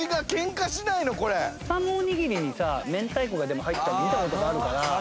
スパムおにぎりにさ明太子が入ってるの見た事があるから。